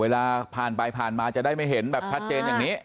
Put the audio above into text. เวลาผ่านไปผ่านมาจะได้ไม่เห็นแบบชัดเจนอย่างนี้